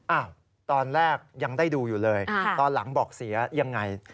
อ้าวตอนแรกยังได้ดูอยู่เลยตอนหลังบอกเสียยังไง